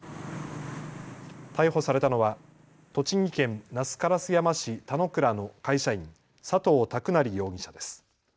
逮捕されたのは栃木県那須烏山市田野倉の会社員、佐藤拓成容疑者です。